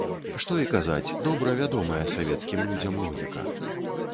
Што і казаць, добра вядомая савецкім людзям логіка.